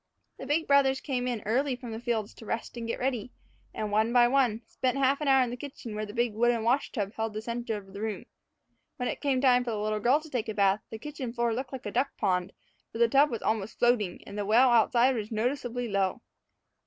The big brothers came in early from the fields to rest and get ready, and, one by one, spent half an hour in the kitchen, where the big wooden wash tub held the center of the room. When it came time for the little girl to take a bath, the kitchen floor looked like a duck pond, for the tub was almost floating, and the well outside was noticeably low.